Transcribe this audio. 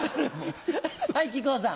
はい木久扇さん。